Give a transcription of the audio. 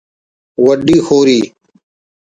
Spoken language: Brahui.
وڈی خوری